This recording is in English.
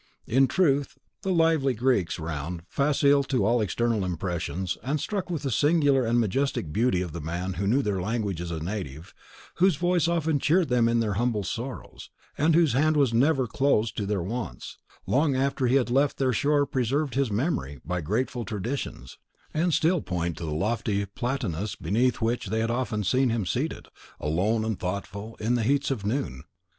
In truth, the lively Greeks around, facile to all external impressions, and struck with the singular and majestic beauty of the man who knew their language as a native, whose voice often cheered them in their humble sorrows, and whose hand was never closed to their wants, long after he had left their shore preserved his memory by grateful traditions, and still point to the lofty platanus beneath which they had often seen him seated, alone and thoughtful, in the heats of noon.